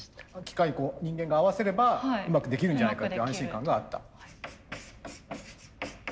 機械人間が合わせればうまくできるんじゃないかっていう安心感があった。